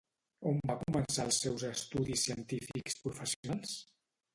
On va començar els seus estudis científics professionals?